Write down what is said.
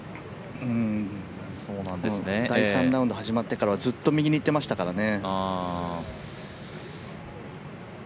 第３ラウンド始まってからはずっと右にいっていましたからね。